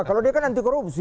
kalau dia kan anti korupsi